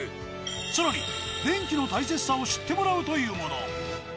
さらに電気の大切さを知ってもらうというもの